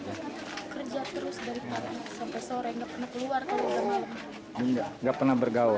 tidak pernah bergaul